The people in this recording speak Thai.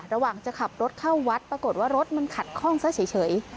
ระหว่างจะขับรถเข้าวัดปรากฏว่ารถมันขัดข้องเสียเฉย